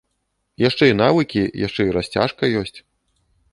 Яшчэ і навыкі, яшчэ і расцяжка ёсць.